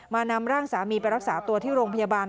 นำร่างสามีไปรักษาตัวที่โรงพยาบาล